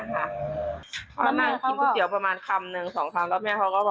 เขานั่งกินก๋วยเตี๋ยวประมาณคำหนึ่งสองคำแล้วแม่เขาก็บอก